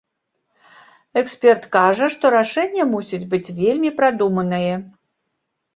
Эксперт кажа, што рашэнне мусіць быць вельмі прадуманае.